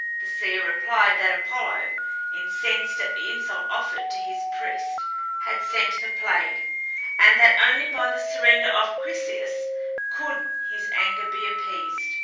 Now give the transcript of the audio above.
The seer replied that Apollo, incensed at the insult offered to his priest, had sent the plague, and that only by the surrender of Chryseis could his anger be appeased.